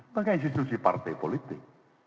maka institusi partai politik